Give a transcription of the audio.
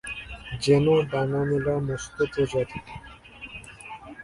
যেন ডানা-মেলা মস্ত প্রজাপতি।